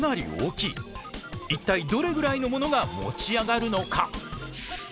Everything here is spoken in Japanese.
一体どれぐらいのものが持ち上がるのか？